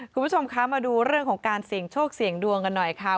คุณผู้ชมคะมาดูเรื่องของการเสี่ยงโชคเสี่ยงดวงกันหน่อยค่ะ